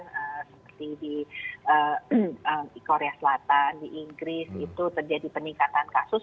seperti di korea selatan di inggris itu terjadi peningkatan kasus